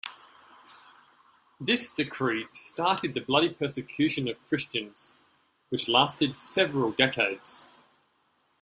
This decree started the bloody persecution of Christians, which lasted several decades.